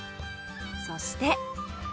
そして。